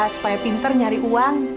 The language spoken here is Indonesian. supaya pinter nyari uang